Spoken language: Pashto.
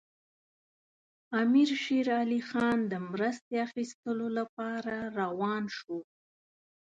امیر شېر علي خان د مرستې اخیستلو لپاره روان شو.